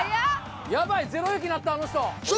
ヤバいゼロ匹になったあの人。